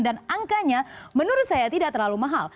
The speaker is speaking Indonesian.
dan angkanya menurut saya tidak terlalu mahal